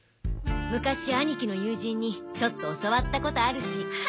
昔兄貴の友人にちょっと教わったことあるし。